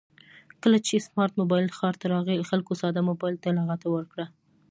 کله چې سمارټ مبایل ښار ته راغی خلکو ساده مبایل ته لغته ورکړه